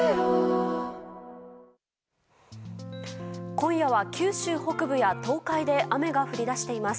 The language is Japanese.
今夜は九州北部や東海で雨が降り出しています。